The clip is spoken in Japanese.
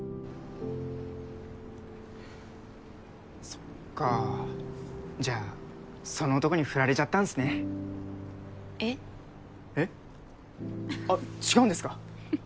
そっかじゃあその男にフラれちゃったんすねえっ？えっ？あっ違うんですか？